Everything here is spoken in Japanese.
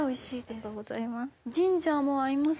ありがとうございます。